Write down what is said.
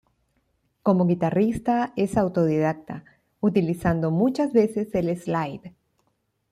Como guitarrista es autodidacta, utilizando muchas veces el slide.